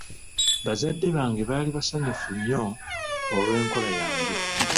Bazadde bange baali basanyufu nnyo olw'enkola yange.